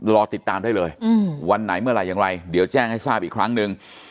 รอติดตามได้เลยวันไหนเมื่อไหร่อย่างไรเดี๋ยวแจ้งให้ทราบอีกครั้งหนึ่ง